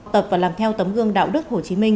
tập và làm theo tấm gương đạo đức hồ chí minh